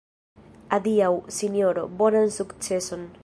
Adiaŭ, sinjoro, bonan sukceson.